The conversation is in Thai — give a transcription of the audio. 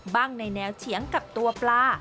ในแนวเฉียงกับตัวปลา